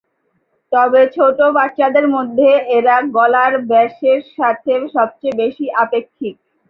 তবে ছোট বাচ্চাদের মধ্যে এরা গলার ব্যাসের সাথে সবচেয়ে বেশি আপেক্ষিক।